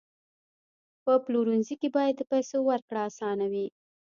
په پلورنځي کې باید د پیسو ورکړه اسانه وي.